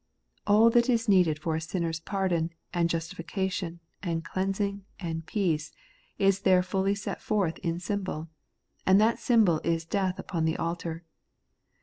All that is needed for a sinner's pardon, and justification, and cleansing, and peace, is there fully set forth in symbol, — and that symbol is death upon the altar.